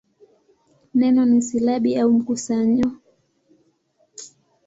Neno ni silabi au mkusanyo wa silabi wenye kubeba au kuleta maana fulani.